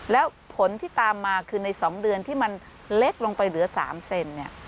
แล้วผลที่ตามมาคือใน๒เดือนที่มันเล็กลงไปเหลือ๓เซนเนี่ย